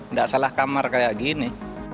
nggak salah kamar kayak gini